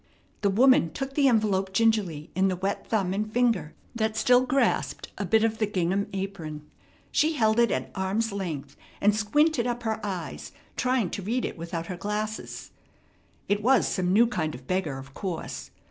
The woman took the envelope gingerly in the wet thumb and finger that still grasped a bit of the gingham apron. She held it at arm's length, and squinted up her eyes, trying to read it without her glasses. It was some new kind of beggar, of course.